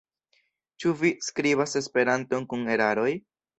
Ĉu vi skribas Esperanton kun eraroj?